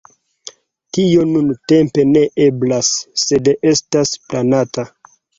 Tio nuntempe ne eblas, sed estas planata.